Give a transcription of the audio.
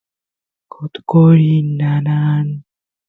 qotqoriy nanan